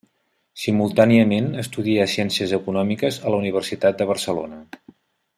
Simultàniament estudià ciències econòmiques a la Universitat de Barcelona.